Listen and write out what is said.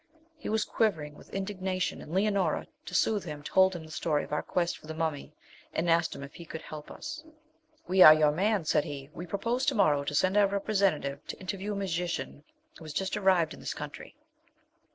He was quivering with indignation; and Leonora, to soothe him, told him the story of our quest for the mummy, and asked him if he could help us. 'We are your man,' said he. 'We propose to morrow to send our representative to interview a magician who has just arrived in this country.